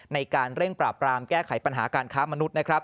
ในการเร่งปราบรามแก้ไขปัญหาการค้ามนุษย์นะครับ